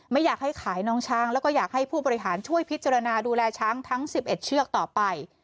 ไม่อยากให้ขายน้องช้างแล้วก็อยากให้ผู้บริหารช่วยพิจารณาดูแลช้างทั้ง๑๑เชือกต่อไป